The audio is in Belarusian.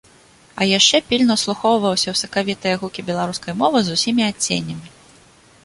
А яшчэ пільна ўслухоўваўся ў сакавітыя гукі беларускай мовы з усімі адценнямі.